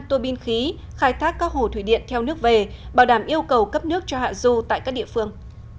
tuô bin khí khai thác các hồ thủy điện theo nước về bảo đảm yêu cầu cấp nước cho hạ du tại các địa phương